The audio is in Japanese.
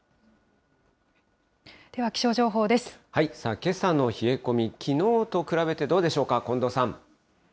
けさの冷え込み、きのうと比べてどうでしょうか、近藤さん。